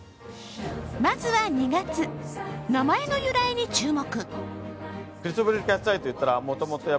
まずは２月、名前の由来に注目。